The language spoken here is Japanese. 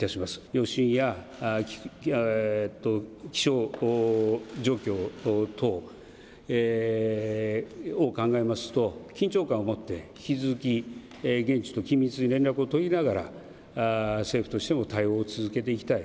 余震や気象状況等を考えますと緊張感を持って引き続き緊密に連絡を取りながら政府としても対応を続けてきたい